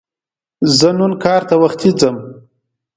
زه نن کار ته وختي ځم